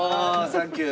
サンキュー。